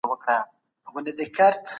تاسو د ښه ذهنیت سره ډیر مسولیت منوونکي یاست.